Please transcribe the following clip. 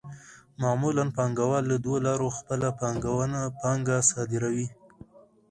معمولاً پانګوال له دوو لارو خپله پانګه صادروي